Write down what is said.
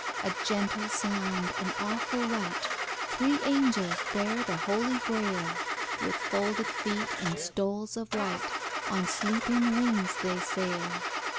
A gentle sound, an awful light! Three angels bear the Holy Grail: With folded feet, in stoles of white, On sleeping wings they sail.